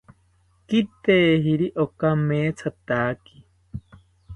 Kitejiri okamethataki